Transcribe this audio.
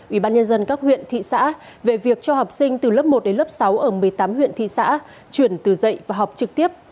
ubnd các huyện thị xã về việc cho học sinh từ lớp một đến lớp sáu ở một mươi tám huyện thị xã chuyển từ dạy và học trực tiếp